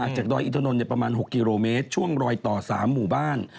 จากดอยอินทนนท์ประมาณ๖กิโลเมตรช่วงรอยต่อ๓หมู่บ้าน